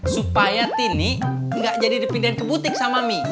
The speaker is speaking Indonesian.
supaya tini enggak jadi dipindahin ke butik sama mi